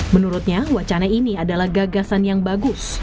menurutnya wacana ini adalah gagasan yang bagus